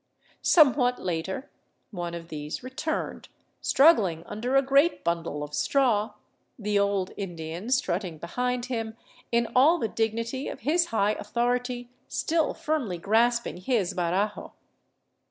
Some what later one of these returned, struggling under a great bundle of straw, the old Indian strutting behind him, in all the dignity of his high authority still firmly grasping his barajo.